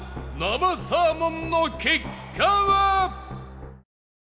生サーモンの結果は？